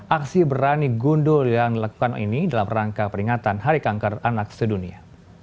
aksi berani gundul yang dilakukan ini dalam rangka peringatan hari kanker anak sedunia